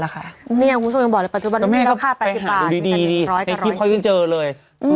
คุณผู้ชมยังบอกปัจจุบันนี้ราคา๘๐บาทมีกับ๑๐๐กับ๑๔๐บาทในคลิปค่อยจะเจอเลย